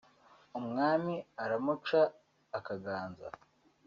umwami aramuca akaganza